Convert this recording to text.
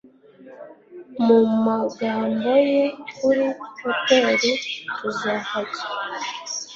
Mu magambo ye "Kuri hoteli tuzahajya